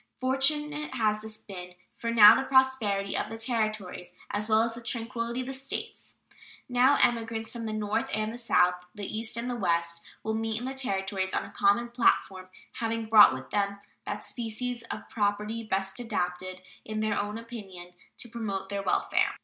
Fortunate has this been for the prosperity of the Territories, as well as the tranquillity of the States. Now emigrants from the North and the South, the East and the West, will meet in the Territories on a common platform, having brought with them that species of property best adapted, in their own opinion, to promote their welfare.